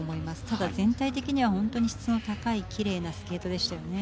ただ全体的には本当に質の高いキレイなスケートでしたよね。